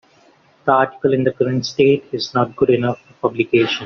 The article in the current state is not good enough for publication.